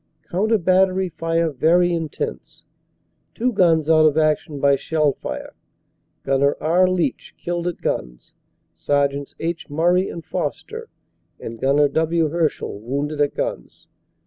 Coun ter battery fire very intense; two guns out of action by shell fire. Gnr. R. Leitch killed at guns; Sergts. H. Murray and Foster and Gnr. W. Hershall wounded at guns.